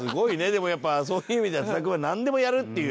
でもやっぱそういう意味では津田君はなんでもやるっていう。